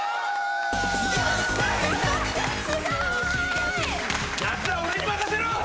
すごい！夏は俺に任せろ！